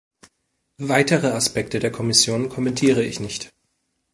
Weitere Aspekte der Kommission kommentiere ich nicht.